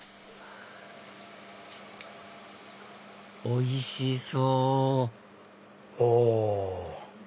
おいしそうお！